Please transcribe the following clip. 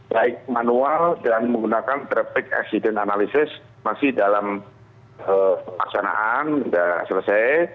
baik manual dan menggunakan traffic accident analysis masih dalam pelaksanaan sudah selesai